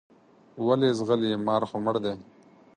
ولې ځغلې مار خو مړ دی.